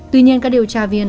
tuy nhiên các điều tra viên